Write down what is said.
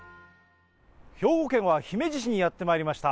兵庫県は姫路市にやってまいりました。